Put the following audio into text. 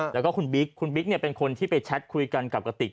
แล้วก็คุณบิ๊กคุณบิ๊กเป็นคนที่ไปแชทคุยกันกับกติก